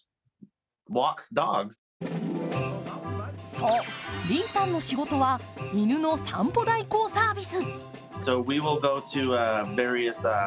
そう、リーさんの仕事は犬の散歩代行サービス。